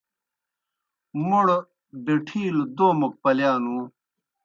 موْڑ بیٹِھیلوْ دومَک پلِیا نوُں۔